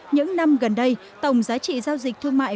những năm gần đây tổng giá trị giao dịch thương mại